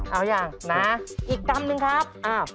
เอายังนะอีกกรรมหนึ่งครับ